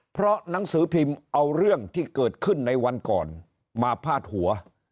เพราะหนังสือพิมพ์เอาเรื่องที่เกิดขึ้นในวันก่อนมาพาดหัว